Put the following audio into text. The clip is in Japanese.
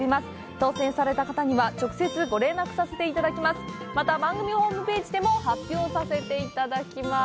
当せんされた方には直接ご連絡させていただきます。